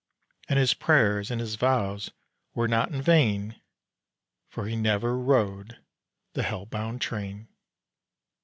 And his prayers and his vows were not in vain; For he never rode the hell bound train.